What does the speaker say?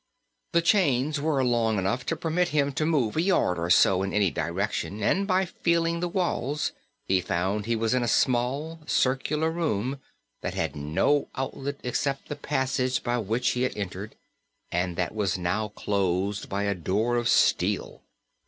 The chains were long enough to permit him to move a yard or so in any direction and by feeling the walls he found he was in a small circular room that had no outlet except the passage by which he had entered, and that was now closed by the door of steel.